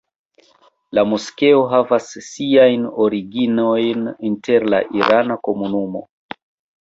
La moskeo havas siajn originojn inter la irana komunumo.